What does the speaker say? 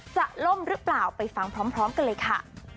จะล่มหรือเปล่าไปฟังพร้อมกันเลยค่ะ